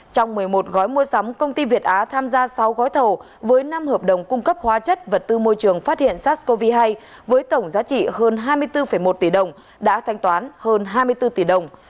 trong một mươi một gói mua sắm công ty việt á tham gia sáu gói thầu với năm hợp đồng cung cấp hóa chất vật tư môi trường phát hiện sars cov hai với tổng giá trị hơn hai mươi bốn một tỷ đồng đã thanh toán hơn hai mươi bốn tỷ đồng